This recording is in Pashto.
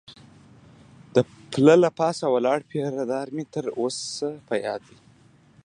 د پله له پاسه ولاړ پیره دار مې تر اوسه یاد دی.